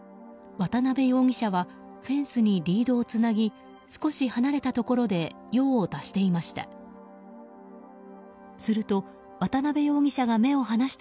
渡辺容疑者はフェンスにリードをつなぎ少し離れたところで用を足していました。